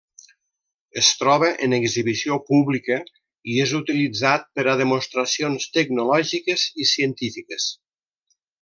Es troba en exhibició pública i és utilitzat per a demostracions tecnològiques i científiques.